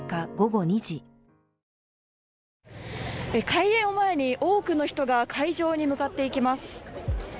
開演を前に多くの人が会場に向かっていきます。